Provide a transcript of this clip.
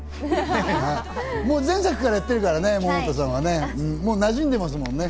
もう前作からやってるからね、百田さんは。馴染んでますもんね。